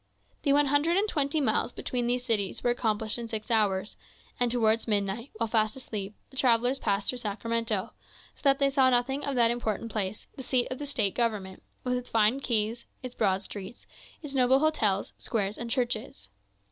The one hundred and twenty miles between these cities were accomplished in six hours, and towards midnight, while fast asleep, the travellers passed through Sacramento; so that they saw nothing of that important place, the seat of the State government, with its fine quays, its broad streets, its noble hotels, squares, and churches.